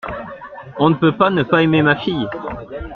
On ne peut pas ne pas aimer ma fille !